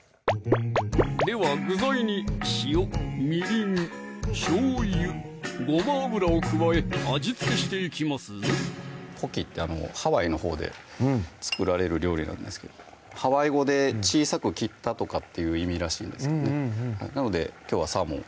では具材に塩・みりん・しょうゆ・ごま油を加え味付けしていきますぞポキってハワイのほうで作られる料理なんですけどハワイ語で小さく切ったとかっていう意味らしいんですけどねなのできょうはサーモン